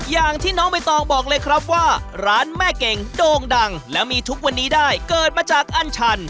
อย่างที่น้องใบตองบอกเลยครับว่าร้านแม่เก่งโด่งดังและมีทุกวันนี้ได้เกิดมาจากอันชัน